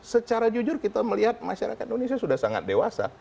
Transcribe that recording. secara jujur kita melihat masyarakat indonesia sudah sangat dewasa